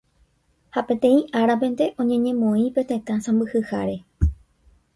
ha peteĩ árapente oñeñemoĩ pe tetã sãmbyhyháre